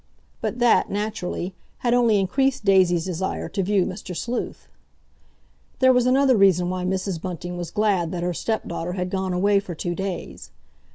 But that, naturally, had only increased Daisy's desire to view Mr. Sleuth. There was another reason why Mrs. Bunting was glad that her stepdaughter had gone away for two days.